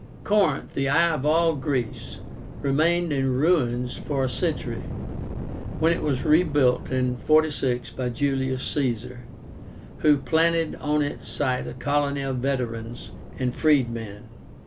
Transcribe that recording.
Corinth, the "eye of all Greece," remained in ruins for a century, when it was rebuilt in 46 by Julius Caesar, who planted on its site a colony of veterans and freedmen.